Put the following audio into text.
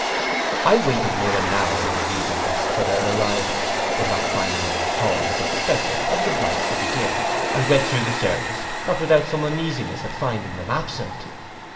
I waited near an hour in the reading desk for their arrival; but not finding them come as expected, I was obliged to begin, and went through the service, not without some uneasiness at finding them absent.